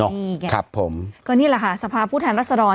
นี่แหละค่ะก็นี่แหละค่ะสภาพผู้แทนรัฐศรรณ